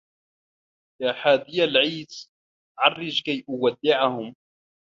يا حاديَ العيس عرّج كي أودّعهم